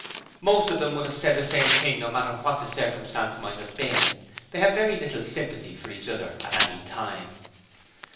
Most of them would have said the same thing no matter what the circumstances might have been. They had very little sympathy for each other at any time.